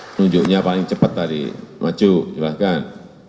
menunjuknya paling cepat tadi maju silakan